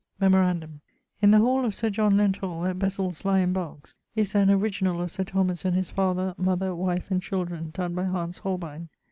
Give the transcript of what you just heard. Memorandum: in the hall of Sir John Lenthall, at Bessils Lye in Berks, is an original of Sir Thomas and his father, mother, wife, and children, donne by Hans Holbein.